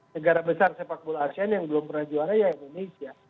negara besar sepak bola asean yang belum pernah juara ya indonesia